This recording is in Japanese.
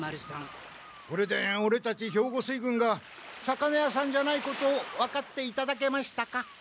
これでオレたち兵庫水軍が魚屋さんじゃないことを分かっていただけましたか？